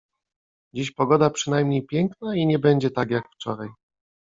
Dziś pogoda przynajmniej piękna i nie będzie tak, jak wczoraj.